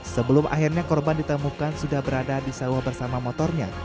sebelum akhirnya korban ditemukan sudah berada di sawah bersama motornya